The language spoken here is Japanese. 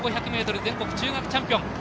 １５００ｍ全国中学チャンピオン。